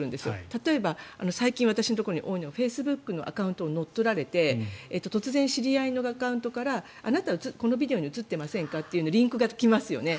例えば最近私のところに多いのはフェイスブックのアカウントを乗っ取られて突然、知り合いのアカウントからあなた、このビデオに映ってませんかってリンクが来ますよね。